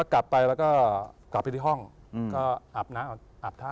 กลับไปที่ห้องก็อาบน้ำอาบท่า